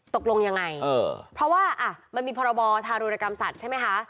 ตกลงยังไงเพราะว่ามันมีพรบธารุณกรรมสัตว์ใช่ไหมคะ